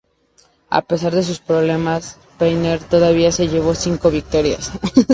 A pesar de sus problemas, Spencer todavía se llevó cinco victorias.